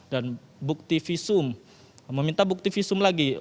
dan bukti visum meminta bukti visum lagi